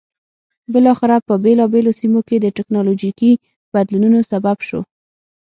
بالاخره په بېلابېلو سیمو کې د ټکنالوژیکي بدلونونو سبب شو.